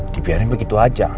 dibiarin begitu aja